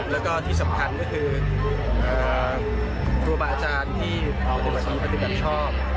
แล้วก็ที่สำคัญก็คือครูบาอาจารย์ที่ปฏิบัติชอบ